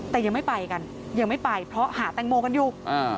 แต่ยังไม่ไปกันยังไม่ไปเพราะหาแตงโมกันอยู่